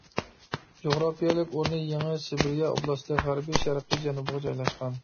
جۇغراپىيەلىك ئورنى يېڭى سىبىرىيە ئوبلاستى غەربىي شەرقىي جەنۇبىغا جايلاشقان.